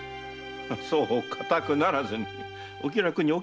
そうかたくならずにお気楽にお気楽に。